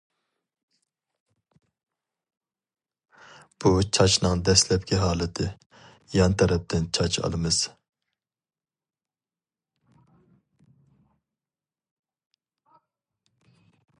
بۇ چاچنىڭ دەسلەپكى ھالىتى: يان تەرەپتىن چاچ ئالىمىز.